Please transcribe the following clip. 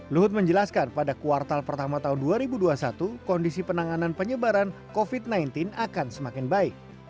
luhut menjelaskan pada kuartal pertama tahun dua ribu dua puluh satu kondisi penanganan penyebaran covid sembilan belas akan semakin baik